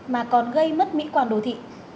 mà còn gây mất mỹ quản đồ thị